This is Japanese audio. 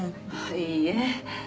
いいえ。